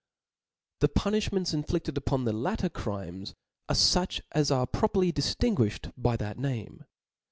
The punifhmems rnflifted upon the latter crimen arc fuch as are properly diftingoifhed by that name.